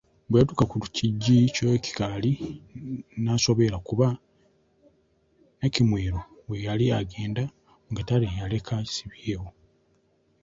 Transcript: Bwe yatuuka ku kiggyi ky’ekikaali, n’asoberwa kuba Nnakimwero bwe yali agenda mu katale yaleka asibyewo.